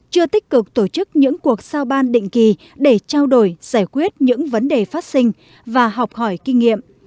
chưa tích cực tổ chức những cuộc sao ban định kỳ để trao đổi giải quyết những vấn đề phát sinh và học hỏi kinh nghiệm